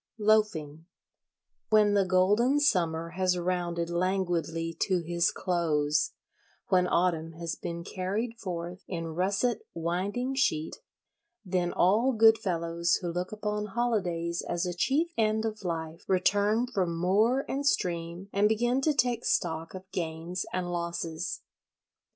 Loafing When the golden Summer has rounded languidly to his close, when Autumn has been carried forth in russet winding sheet, then all good fellows who look upon holidays as a chief end of life return from moor and stream and begin to take stock of gains and losses.